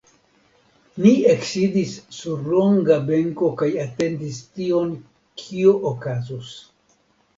Ni eksidis sur longa benko kaj atendis tion, kio okazus.